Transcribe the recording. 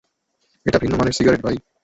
এটা ভিন্ন মানের সিগারেট, ভাই!